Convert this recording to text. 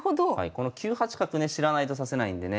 この９八角ね知らないと指せないんでね。